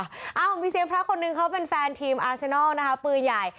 อ้าวมีเสียงพระคนนึงเขาเป็นแฟนทีมอาเซนัลนะคะปืนใหญ่